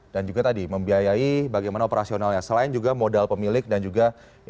dan juga tadi membiayai bagaimana operasionalnya selain juga modal pemilik dan juga investasi